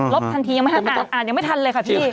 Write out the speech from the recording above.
ลบทันทีอ่านยังไม่ทันเลยครับพี่